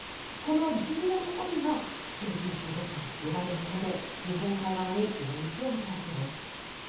この雪雲の帯がＪＰＣＺと呼ばれるもので日本海側に大雪をもたらすんです。